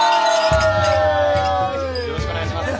よろしくお願いします。